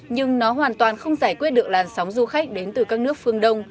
nhưng nó hoàn toàn không giải quyết được làn sóng du khách đến từ các nước phương đông